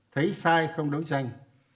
thấy sai không đấu tranh